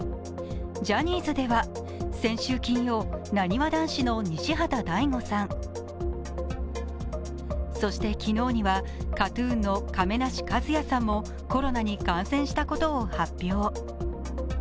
ジャニーズでは先週金曜、なにわ男子の西畑大吾さん、そして、昨日にはＫＡＴ−ＴＵＮの亀梨和也さんもコロナに感染したことを発表。